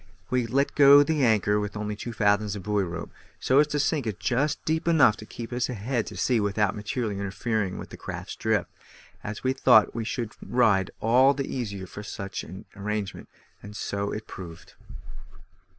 We let go the anchor with only two fathoms of buoy rope, so as to sink it just deep enough to keep us head to sea without materially interfering with the craft's drift, as we thought we should ride all the easier for such an arrangement, and so it proved.